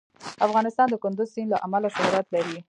افغانستان د کندز سیند له امله شهرت لري.